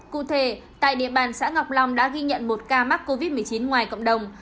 cụ thể tại địa bàn xã ngọc long đã ghi nhận một ca mắc covid một mươi chín ngoài cộng đồng